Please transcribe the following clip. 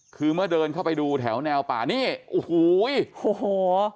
คือเมื่อเดินเข้าไปดูแถวแนวป่านี่โอ้โหโอ้โห